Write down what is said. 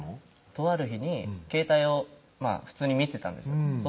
とある日に携帯を普通に見てたんですそ